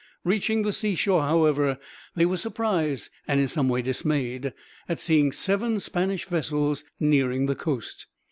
Reaching the seashore, however, they were surprised, and in some way dismayed, at seeing seven Spanish vessels nearing the coast.